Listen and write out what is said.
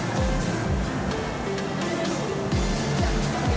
ini yang musim